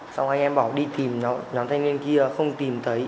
xong anh em bảo đi tìm nhóm thanh niên kia không tìm thấy